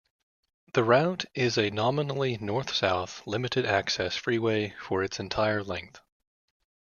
The route is a nominally north-south limited-access freeway for its entire length.